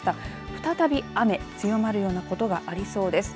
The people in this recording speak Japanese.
再び雨、強まるようなことがありそうです。